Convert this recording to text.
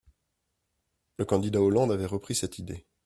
Le candidat Hollande avait repris cette idée.